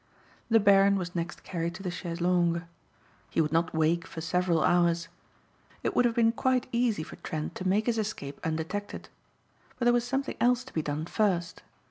The Baron was next carried to the chaise longue. He would not wake for several hours. It would have been quite easy for Trent to make his escape undetected. But there was something else to be done first.